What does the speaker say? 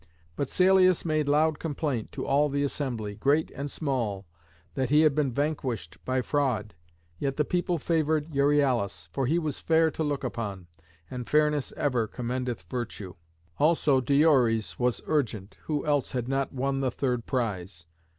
But Salius made loud complaint to all the assembly, great and small, that he had been vanquished by fraud; yet the people favoured Euryalus, for he was fair to look upon, and fairness ever commendeth virtue. Also Diores was urgent, who else had not won the third prize.